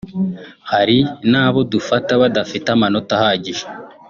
hari n’abo dufata badafite amanota ahagije